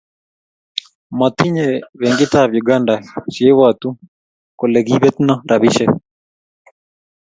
motinye benkit ab Uganda che ibotuu kole kibeetno robishe